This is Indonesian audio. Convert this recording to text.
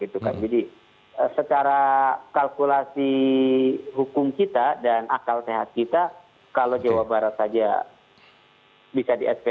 jadi secara kalkulasi hukum kita dan akal sehat kita kalau jawa barat saja bisa diperjuangkan